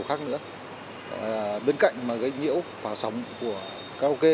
khác nữa bên cạnh mà gây nhiễu phá sóng của karaoke